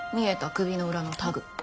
首の裏のタグ。